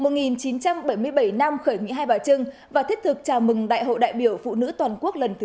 một nghìn chín trăm bảy mươi bảy năm khởi nghĩa hai bà trưng và thiết thực chào mừng đại hội đại biểu phụ nữ toàn quốc lần thứ ba mươi